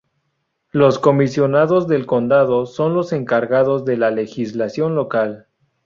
Los comisionados del condado son los encargados de la legislación local.